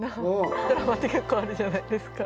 ドラマって結構あるじゃないですか。